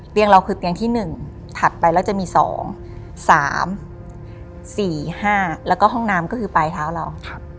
เราคือเตียงที่๑ถัดไปแล้วจะมี๒๓๔๕แล้วก็ห้องน้ำก็คือปลายเท้าเรา